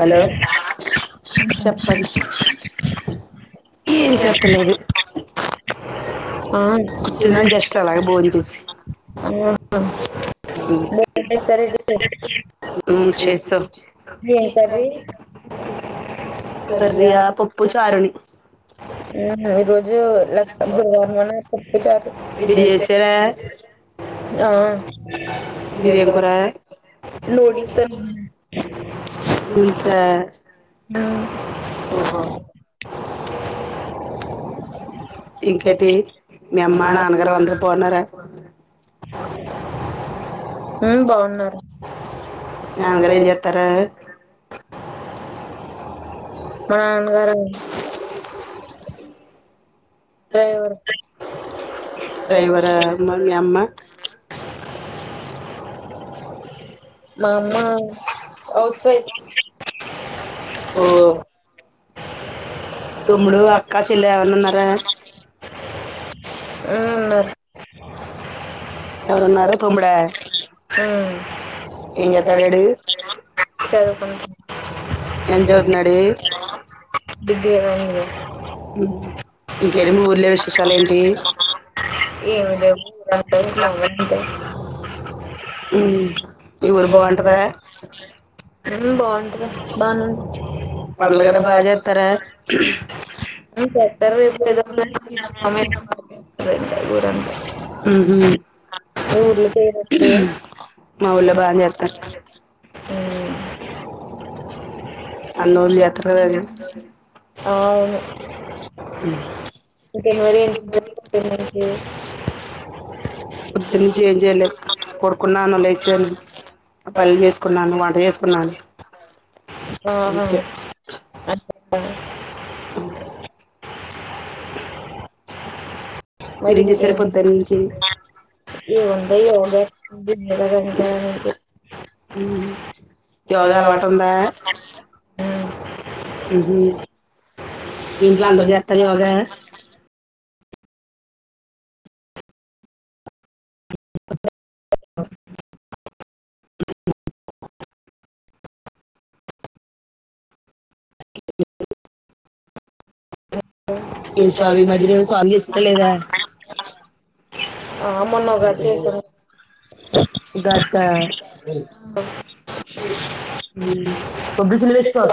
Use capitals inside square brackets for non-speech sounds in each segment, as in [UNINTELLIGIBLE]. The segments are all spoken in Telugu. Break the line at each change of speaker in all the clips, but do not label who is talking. హలో చెప్పం ఏం చెప్పలేదు
ఆ
కూర్చున్నాని జస్ట్ అలాగ బోని చసి
వ స
ఉమ్ చేసాం కర్రీయా పప్పు చారుని
ఆ ఈ రోజు గురువ మనప్పచ
మీరు
విజ
చేసారా మీదేం కూర
లోడిస్త
పులుసా ఓహో
అ
ఇంకేటి మీ అమ్మా నాన్నగారు అందరుూ పోన్నారా
హ బాగున్నారు
అంగర ఏ చెత్తార
మనన్గర డ్రైవర్
రైవర మమ్మీ అమ్మ
మామ వు సయి ఓ
తుమ్ముడు అక్క చిల్ల ఎవన్న ఉన్నారా
అవున్నారు
ఎవరున్నర తోముడా ఎం
ఉమ్
చేతడాడు
చదువుకుంటున్నారు
ఎం జోతున్నాడు
డిగ్రీ వరకు చదువుకున్నాడు
ఇంగేమి ఊర్లే విశేషాలు ఏంటి
ఏమిదలా [INAUDIBLE]
ఉం ఊరు బాగుంటదా
ఉం బాగుంటది బాగునేంది
పండ్లు గట్ట బాగా చేస్తారా
[UNINTELLIGIBLE] [UNINTELLIGIBLE]
ఉహు
చేయరండి ఉమ్
మా ఊళ్ల బాగా చేతారు
అ
అన్నోళ యాత్రగాది అ [INAUDIBLE]
అవును
ఉమ్.
జనవరి ఎ
పొద్దునుచి ఎం చేయాలే కొడుకున్నానులేసను పల్లీ చేసుకున్నాను వంట చే కున్నాను
ఆహ స [INAUDIBLE]
అంతే
మ
మీరేం చేశారు పొద్దున్న నుంచి
ఏ ఉ
ఉమ్. యోగా అలవాటు
[UNINTELLIGIBLE]
మీంట్లా అందరు చేస్తారు యోగా బ [INAUDIBLE] వి సారి మధ్యన ఏమో సాంగ్ చేసుత్త లేదా
మొన్న ఉగాది చేసాం
కొబ్బరి సలు వేసుకో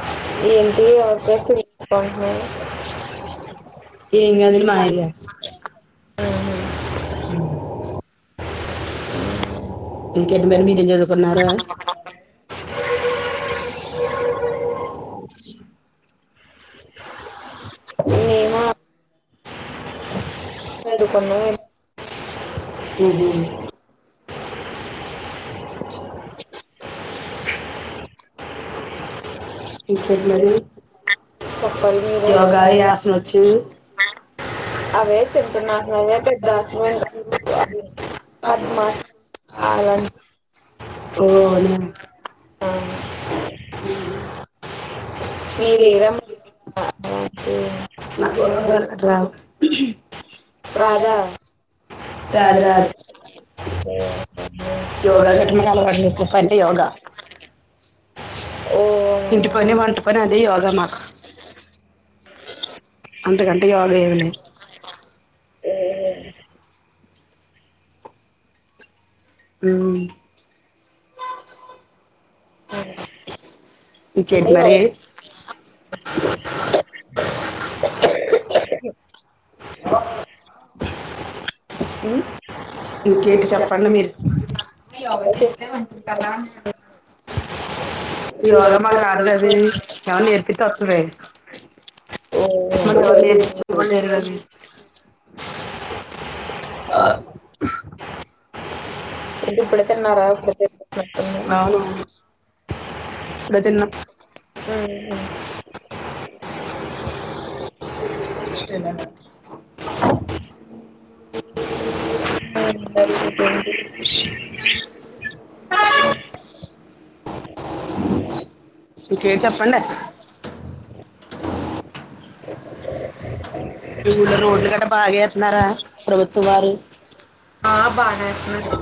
ఆ [INAUDIBLE] ఏంటి ఎవరు చేసిరి ఆ ఆ
ఏంగ అది మాయలే కేంటి మరి మీరజద కొన్నార
ఆ ఆ
[INAUDIBLE]
ఏది కొన్నా
ఉహు ఓ ఇకెట్ మరీ
పప్పల్ మీ రగా అవే చిన్న చిన్న అవే పెద్ద [INAUDIBLE] ఆవును
ఓ అవునా [INAUDIBLE]
మీరేదమ ఓకే
కావలె డ్రా రాధ
రాధా
రాదు రాదు యోగా కట్ల అంట యోగా
ఓ
ఇంటిపని వంటపని అదే యోగా మాకు అంతకంటె యోగా ఏమి లేదు
[INAUDIBLE]
హ్మ్
హ్మ్
ఇంకేంటి
అంటే [INAUDIBLE] [INAUDIBLE]
మరి
[INAUDIBLE] హ్మ్
ఇంకేంటి చెప్పండి మీరు యోగా చేస్తే మంచిది కదా అంట యోగా మాకు
ఇవాళ
రాదు బేబి ఎవరైనా నేర్పిత్తే వత్తది
ఓ మాకు
మాకెవలు
ఏం లేదు.
నేర్పిచ్చే వాళ్లు లేరు కదే ఆ
ఇది ఇప్పుడు తిన్నారా ఒక్కప్పు తిన్నా
అవునవును ఇప్పుడే తిన్నం
[INAUDIBLE]
అయితే ఫస్ట్ ఎలాగా
[UNINTELLIGIBLE]
కేే చెప్పండె ఈ ఊళ్ళో రోడ్లు గట్ల బాగా ఏత్తున్నారా ప్రభుత్వం వారు
ఆ బాగా ఎత్తున్నారు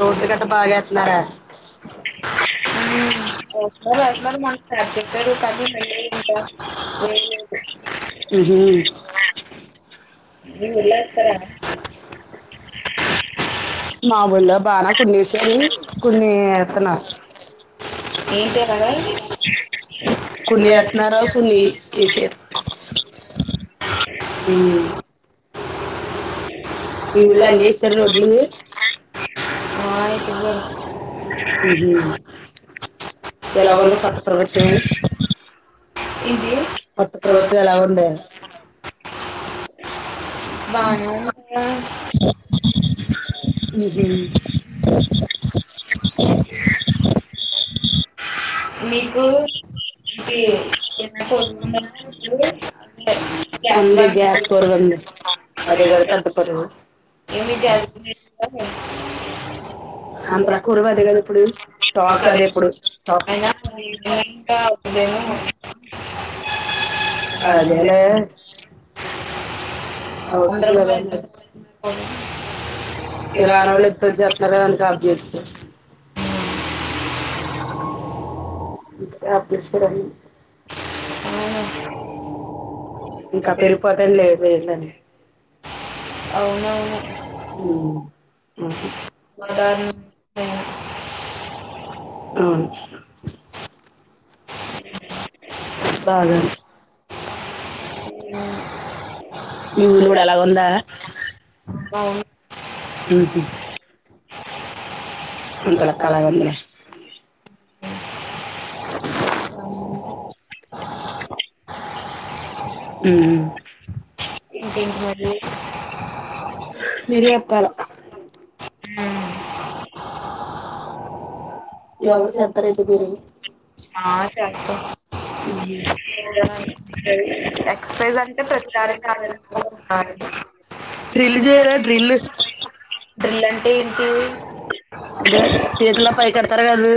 రోడ్లు గట్ట బాగా ఎత్తన్నారా
ఏస్తున్నారు [UNINTELLIGIBLE] అంటా ఏమిలేదు
ఉహు
మీ ఊళ్ళో ఏత్తరా
మా ఊళ్ళో బానా కునేసారు కున్ని ఎతన్నారు
ఏంటి అలాగా
కున్ని ఎత్తన్నారా కున్ని ఏసారు హ్మ్
ఉమ్,
ఈ ఊళ్ళో అన్నీ
వీళ్ళండి
ఎసార రోడ్లు
[UNINTELLIGIBLE]
ఊహు ఎలాగ ఉంది కొత్త ప్రభుత్వం ఏంటి కొత్త ప్రభుత్వం ఎలాగ ఉందే
బానే ఉంది కదా
[UNINTELLIGIBLE]
నీకు
మీకు
ఏంటి గ్యాస్
ఎంత
బండ
గ్యాస్ కరువు అదే కదా పెద్ద కొరువు
[UNINTELLIGIBLE]
అంతలా కురువు అదే కదా ఇప్పుడు టాక్ అదే ఇప్పుడు టాక్
అయినా ఇంకా అవుతుందేమో
అదేలే
అందరం
[UNINTELLIGIBLE] ఇరాన్
కిరాణాలు
వాళ్ళు [UNINTELLIGIBLE] చెప్తున్నారు [UNINTELLIGIBLE] ఆపేశసారు ఇంకా పెరిపోదని లే రేట్లన్నీ
అవును అవునవును
హు ఆహా మా [UNINTELLIGIBLE]
సాధారణం
అవును బాగాను మీ ఊరిలో కూడా అలా ఉందా
బాగుంది
ఊహు అంతల కాలగా వందలే ఊహు
ఇంకేంటి మరి
మీరు చెప్పాలా ఏమో సేత్తారేంటి ఏంటి [UNINTELLIGIBLE]
ఆ చేస్తాం
ఊహు
ఎక్సైస్ అంటే ప్రతిసారి రాలేకపోతున్నాను
డ్రిల్ చేయరా డ్రిల్
డ్రిల్ అంటే ఏంటి
అదే సేతులు పై కడతారు కాదు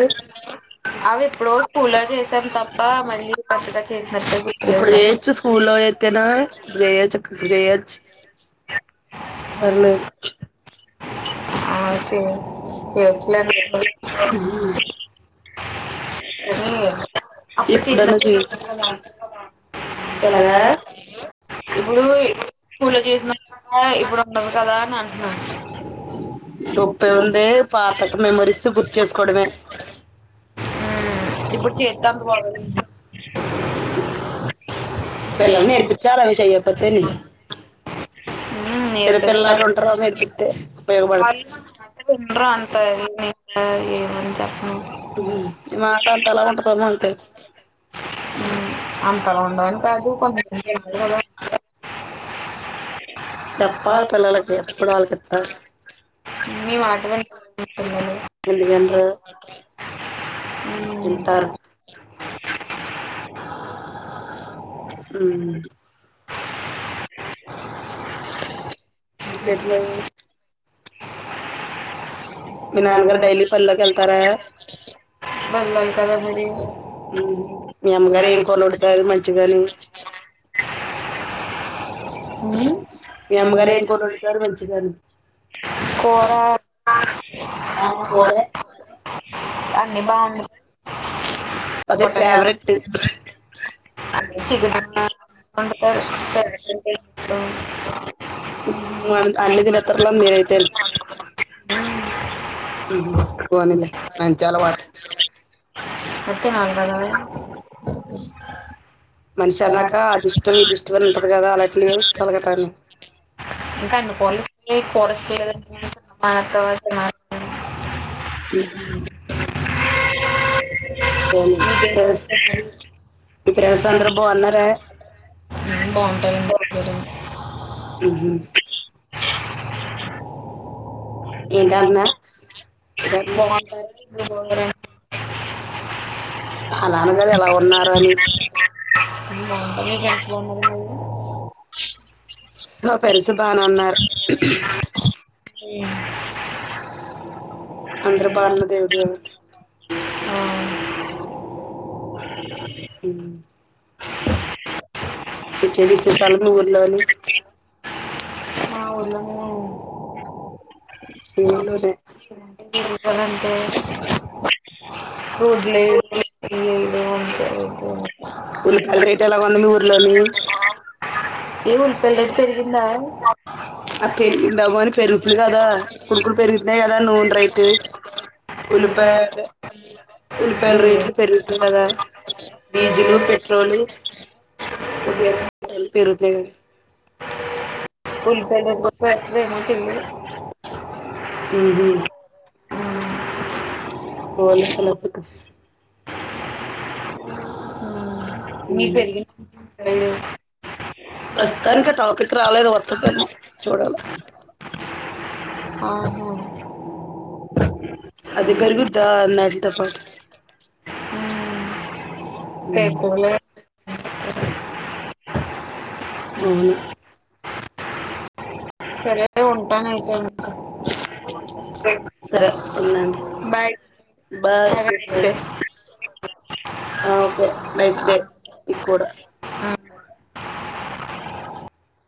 అవి ఎప్పుడో స్కూల్ చే టెన్ తప్ప మళ్ళీ కరెక్ట్ గా చేసినట్టు గుట్లో
ఇప్పుడు చేయొచ్చు స్కూల్లో చేస్తేనా ఇప్పుడు చేయొచ్చు ఇప్పుడు చేయొచ్చు పర్లేదు
అంతే ఎట్లా
ఊహు
అప్పుడు
ఇప్పుడన్న చూయచ్చ ఎలాగా
చేసినప్పుడు ఇప్పుడు స్కూల్లో చేసిన ఇప్పుడు ఉండదు కదా హ హ
తప్పేముందే పాత మెమరీస్ గుర్తు చేసుకోవడమే
ఇప్పుడు చేత్తే అంత బాగోదండి
ఎల్ ఏరిపించార చెయ మతేేలి
మ్మ్
చెలిపు ఎలా ఆట
నేర్పిస్తారు
ఉంటారుంగ ఇపితే ఉపయోగ బ
వాళ్ళు ఏమనీ చెపను
ఉహు మాట అంతలా ఉంటమ్ ఉంటే
ఉ అ అక్కలా ఉండని కాదు కొంతమంది వెళ్ారు కదా
సేప్పా పిల్లకి అప్పుడు ఆళ కిత్తారు
మీ మాట వింటారు పిల్లలు
ఎందుకంటె
ఉమ్
ఉమ్ ఇంకేంటి మరి మీ నాన్న గారు డైలీ పనుల్లోకిళ్తార
వెళ్ళాలి
ఉమ్
కదా
మీ అమ్మగారు
మరి
ఏం కూర వండుతారు మంచిగాని
ఉమ్
మీ అమ్మగారు ఏం కూర వండుతారు మంచిగాను
కూర
ఆ కూరే
అన్ని బాగున్నాయి
అదే
అ
ఫేవరెట్
చ
ల మీ ఐతే హ్మ్ హు పోనీలే మంచి అలవాటు
అయితే నాలుగు వదవె
మనిషి అన్నాక అది ఇష్టం ఇది ఇష్టం అని ఉంటది కదా అలాంటి [INAUDIBLE] గటాని
ఇంకా అన్ని [INAUDIBLE]
మీ
మీకేం
ఫ్రెండ్స్ అందరు బాగున్నారా
పెరి
హ్మ్ హు ఎటంటాన్న
బాగుంటాయి
ఎటన్
బాగుంటాయి మీ ఫ్రెండ్స్
అల నాన్న గారు ఎలా ఉన్నారు అని
[UNINTELLIGIBLE]
దొ పెరుసు బానే ఉన్నారు
హ్మ్
అందరూ బన్నారు దేవుదయ వాళ్ళ హ్మ్ కేడిసే సాల్మ ఊర్లోనీ
ఆ ఉందా
ఊర్లోనే
ఊర్లో నే అంటే రోడ్లేయ్
[INAUDIBLE]
ఆ
ఉల్లిపాయల రేట్ ఎలాగుంది మీ ఊర్లోని
ఎ ఉల్లిపాయల రేట్ పెరిగిందా
ఆ పెరిగిందాబ అని పెరుగుతుంది కదా కుడుకులు పెరుగుతున్నాయి కదా ను రేట్ ఉలిపా
ఉల్లిపాయల
ఉల్లిపాయల రేట్లు
రేట్
పెరుగుతున్నాయి కదా డీజిల్ పెట్రోలు వగేర వ పెరుగుతునాయి కదా
ఉల్లిపాయలు ఎ ఏమో తెలియదు
హ్మ్ హు
అ
హోలీ కలర్స్ కు
మీకు పెరిగిన సైడు
ప్రస్తుతానికి ఆ టాపిక్ రాలేదు వత్తది ఏమో చూడాల
ఆహా
అదే పెరుగుద్ద అనాడు త్తప్పటి
పేపోలే పిల్లి
అవును
సరే ఉంటాను అయితే అ
సరే ఉన్నాండి bye
have a
good
nice
night okay nice day నిక్కూడా
ఆ